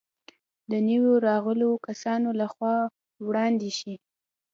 د نویو راغلو کسانو له خوا وړاندې شي.